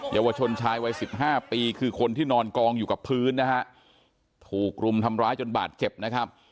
เยาวชนชายวัยสิบห้าปีคือคนที่นอนกองอยู่กับพื้นนะฮะถูกรุมทำร้ายจนบาดเจ็บนะครับ